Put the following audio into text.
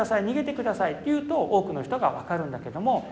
にげてください」と言うと多くの人が分かるんだけども。